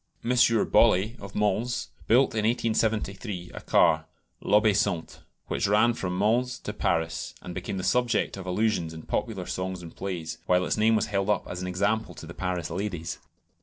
M. Bollée, of Mans, built in 1873 a car, "l'Obéissante," which ran from Mans to Paris; and became the subject of allusions in popular songs and plays, while its name was held up as an example to the Paris ladies.